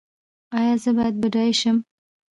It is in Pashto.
ایا زه باید بډای شم؟